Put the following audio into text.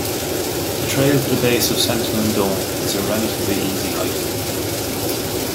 The trail to the base of Sentinel Dome is a relatively easy hike.